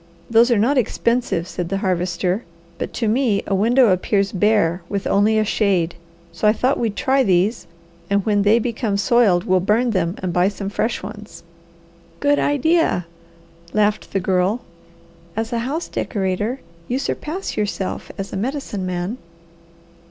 "Those are not expensive," said the Harvester, "but to me a window appears bare with only a shade, so I thought we'd try these, and when they become soiled we'll burn them and buy some fresh ones." "Good idea!" laughed the Girl. "As a house decorator you surpass yourself as a Medicine Man."